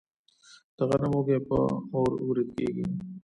د غنمو وږي په اور وریت کیږي.